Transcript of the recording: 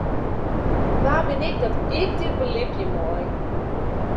Wa bin ik dat ik dit belibje mei?